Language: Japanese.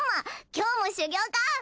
今日も修業か？